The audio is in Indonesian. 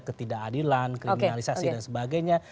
ketidakadilan kriminalisasi dan sebagainya